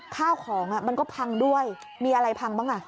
ข้าวของมันก็พังด้วยมีอะไรพังบ้างอ่ะ